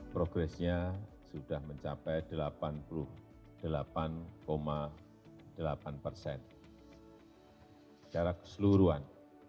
progresnya sudah mencapai delapan puluh delapan delapan persen secara keseluruhan